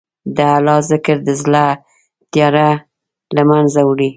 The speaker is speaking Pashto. د الله ذکر د زړه تیاره له منځه وړي.